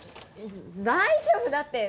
大丈夫だって。